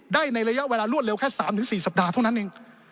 ได้ในระยะเวลารวดเร็วแค่๓๔สัปดาห์เท่านั้นเอง